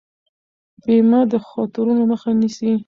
بیمه د خطرونو مخه نیسي.